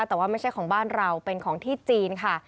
แต่ว่าไม่ใช่ของบ้านเราเป็นของที่จีนค่ะ